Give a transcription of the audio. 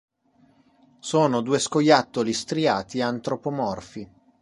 Sono due scoiattoli striati antropomorfi.